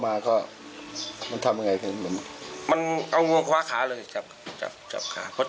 มาก็มันทำยังไงเป็นมันเอางงคว้าขาเลยจับจับขา